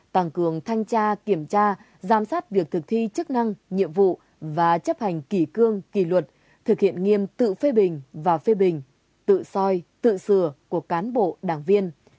tăng cường thanh tra kiểm tra giám sát việc thực thi chức năng nhiệm vụ và chấp hành kỷ cương kỷ luật thực hiện nghiêm tự phê bình và phê bình tự soi tự sửa của cán bộ đảng viên